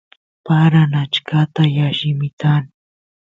paran achkata y allimitan